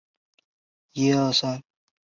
屈埃拉。